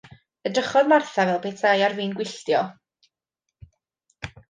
Edrychodd Martha fel petai ar fin gwylltio.